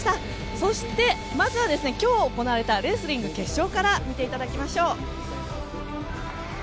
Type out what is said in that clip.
そしてまずは今日行われたレスリング決勝から見ていただきましょう。